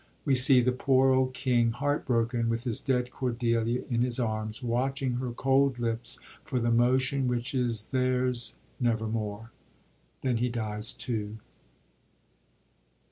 We see the poor old king, heartbroken, with his dead Cordelia in his arms, watch ing her cold lips for the motion which is theirs never more. Then he dies too.